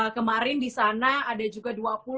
kemarin disana ada juga